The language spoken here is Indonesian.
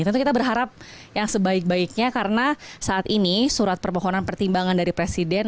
tentu kita berharap yang sebaik baiknya karena saat ini surat permohonan pertimbangan dari presiden